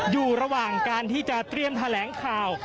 อยู่ระหว่างการที่จะเตรียมแถลงข่าว